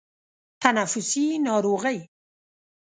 تنفسي ناروغۍ